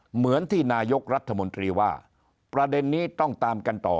เหมือนที่นายกรัฐมนตรีว่าประเด็นนี้ต้องตามกันต่อ